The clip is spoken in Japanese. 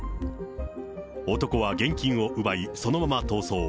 男は現金を奪い、そのまま逃走。